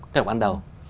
cái độc ban đầu